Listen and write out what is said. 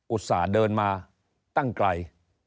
อุตส่าห์เดินมาตั้งกลาย